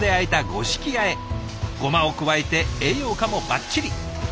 ごまを加えて栄養価もばっちり！